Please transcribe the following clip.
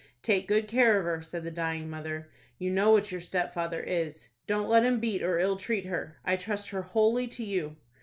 "Take good care of her," said the dying mother. "You know what your stepfather is. Don't let him beat or ill treat her. I trust her wholly to you."